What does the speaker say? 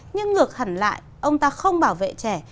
nhưng ngược hẳn lại ông ta không bảo vệ trẻ